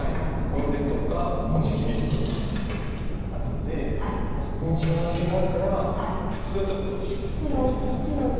この出とかこの切りとかがあるのでそこコウ立てがあるから普通はちょっとやり過ぎなんですけど。